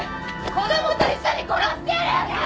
子供と一緒に殺してやるんだ！